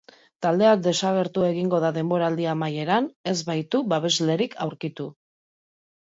Taldea desagertu egingo da denboraldi amaieran, ez baitu babeslerik aurkitu.